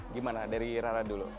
gimana dari rara dulu